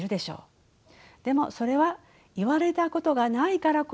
でもそれは言われたことがないからこそそう思えるのです。